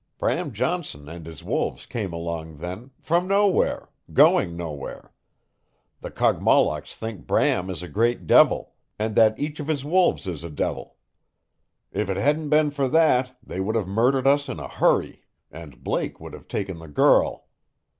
Bram Johnson and his wolves came along then from nowhere going nowhere. The Kogmollocks think Bram is a great Devil, and that each of his wolves is a Devil. If it hadn't been for that they would have murdered us in a hurry, and Blake would have taken the girl.